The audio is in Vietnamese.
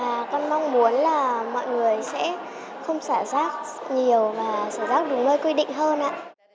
và con mong muốn là mọi người sẽ không xả rác nhiều và xả rác đúng nơi quy định hơn ạ